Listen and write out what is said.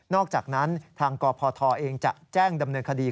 อกจากนั้นทางกพทเองจะแจ้งดำเนินคดี